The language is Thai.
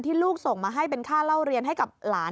ลูกส่งมาให้เป็นค่าเล่าเรียนให้กับหลาน